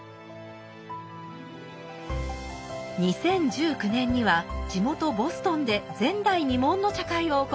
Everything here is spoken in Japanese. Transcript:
２０１９年には地元ボストンで前代未聞の茶会を行いました。